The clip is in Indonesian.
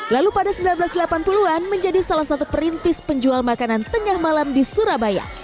lalu pada seribu sembilan ratus delapan puluh an menjadi salah satu perintis penjual makanan tengah malam di surabaya